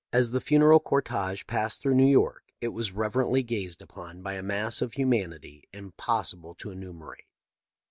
As the funeral cortege passed through New York it was reverently gazed upon by a mass of humanity impossible to enumerate.